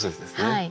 はい。